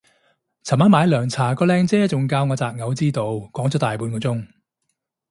尋晚買涼茶個靚姐仲教我擇偶之道講咗大半個鐘